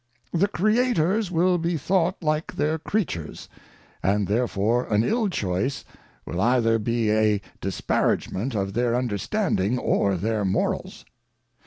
The Creators will be thought like their Creatures; and therefore an ill Choice will either be a disparagement of their Understanding, or their Morals.